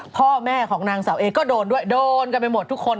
พ่อแม่ของนางสาวเอก็โดนด้วยโดนกันไปหมดทุกคน